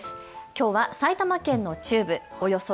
きょうは埼玉県の中部、およそ